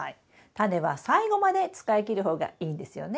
タネは最後まで使いきる方がいいんですよね？